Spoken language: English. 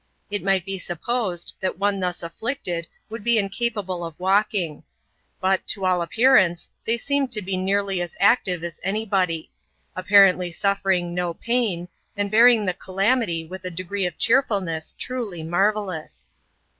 It might be supposed, that one thus afflicted uld be incapable of walking ; but, to all appearance, they m to be nearly as active as any body ; apparently suffering pain, and bearing the calamity with a degree of cheerfulness ly marvellous.